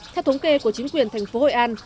theo thống kê của chính quyền thành phố hội an